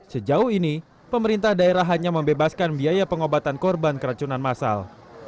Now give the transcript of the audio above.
sejauh ini pemerintah daerah hanya membebaskan biaya pengobatan korban keracunan masal